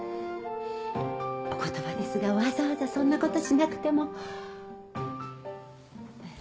お言葉ですがわざわざそんな事しなくても。